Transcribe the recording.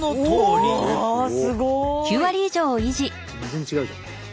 全然違うじゃん。